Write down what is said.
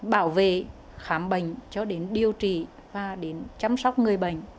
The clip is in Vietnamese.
bảo vệ khám bệnh cho đến điều trị và đến chăm sóc người bệnh